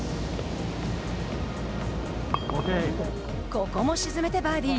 ここも沈めてバーディー。